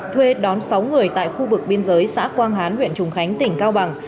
thuê đón sáu người tại khu vực biên giới xã quang hán huyện trùng khánh tỉnh cao bằng